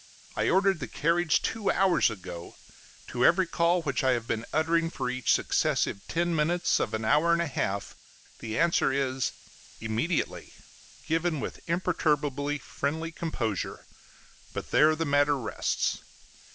I ordered the carriage two hours ago: to every call which I have been uttering for each successive ten minutes of an hour and a half, the answer is, "Immediately," given with imperturbably friendly composure; but there the matter rests.